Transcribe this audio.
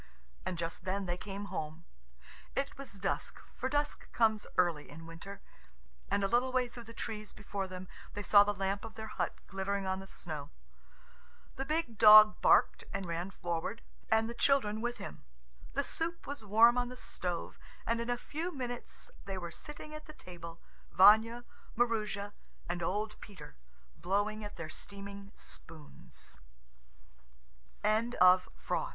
And just then they came home. It was dusk, for dusk comes early in winter, and a little way through the trees before them they saw the lamp of their hut glittering on the snow. The big dog barked and ran forward, and the children with him. The soup was warm on the stove, and in a few minutes they were sitting at the table, Vanya, Maroosia, and old Peter, blowing at their steaming spoons.